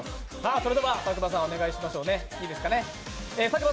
それでは佐久間さんお願いしましょう。